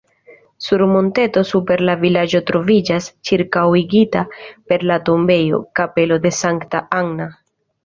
Sur monteto super la vilaĝo troviĝas, ĉirkaŭigita per la tombejo, kapelo de Sankta Anna.